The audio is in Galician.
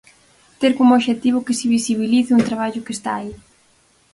Ter como obxectivo que se visibilice un traballo que está aí.